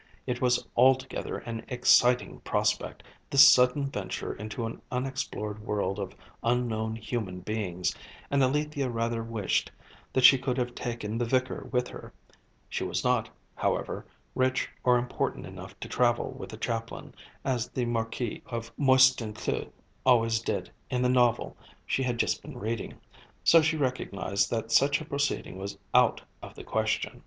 It was altogether an exciting prospect, this sudden venture into an unexplored world of unknown human beings, and Alethia rather wished that she could have taken the vicar with her; she was not, however, rich or important enough to travel with a chaplain, as the Marquis of Moystoncleugh always did in the novel she had just been reading, so she recognised that such a proceeding was out of the question.